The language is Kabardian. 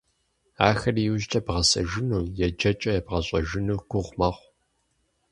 Ахэр иужькӀэ бгъэсэжыну, еджэкӀэ ебгъэщӀэжыну гугъу мэхъу.